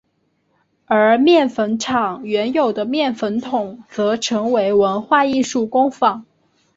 而面粉厂原有的面粉筒则成为文化艺术工坊。